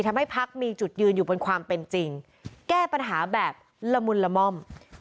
พักมีจุดยืนอยู่บนความเป็นจริงแก้ปัญหาแบบละมุนละม่อม